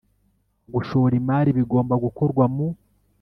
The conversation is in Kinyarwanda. gushora imari bigomba gukorwa mu